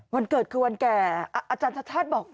วันเกิดคือวันแก่อาจารย์ชาติชาติบอก